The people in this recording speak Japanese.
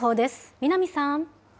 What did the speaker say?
南さん。